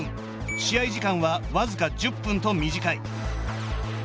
試合時間は僅か１０分と短い。